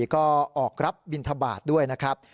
ก็ออกรับบินทบาทด้วยนะครับ